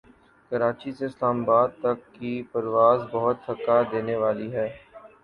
کراچی سے اسلام آباد تک کی پرواز بہت تھکا دینے والی ہے